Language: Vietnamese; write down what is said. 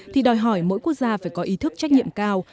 thì đòi hỏi mỗi quốc gia phải có ý thức trách nhiệm cao